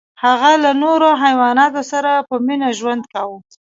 هغه له نورو حیواناتو سره په مینه ژوند کاوه.